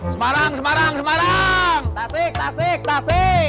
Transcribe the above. semarang semarang tasik tasik tasik